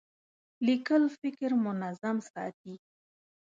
لیکل فکر منظم ساتي.